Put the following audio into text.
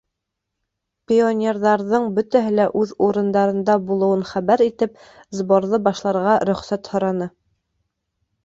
Пионерҙарҙың бөтәһе лә үҙ урындарында булыуын хәбәр итеп, сборҙы башларға рөхсәт һораны.